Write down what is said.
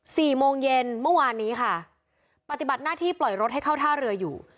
สี่โมงเย็นเมื่อวานนี้ค่ะปฏิบัติหน้าที่ปล่อยรถให้เข้าท่าเรืออยู่